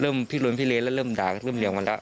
เริ่มพี่หลุนพี่เละแล้วเริ่มด่าเริ่มเหลี่ยวมันแล้ว